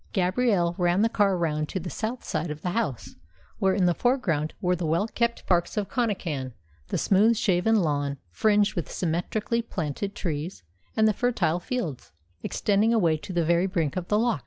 Gabrielle ran the car round to the south side of the house, where in the foreground were the well kept parks of Connachan, the smooth shaven lawn fringed with symmetrically planted trees, and the fertile fields extending away to the very brink of the loch.